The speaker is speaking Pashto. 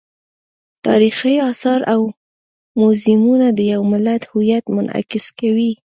تاریخي آثار او موزیمونه د یو ملت هویت منعکس کوي.